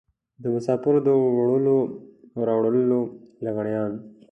د مسافرو د وړلو او راوړلو لغړيان.